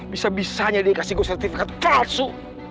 bisa bisanya dia kasih gua sertifikat palsu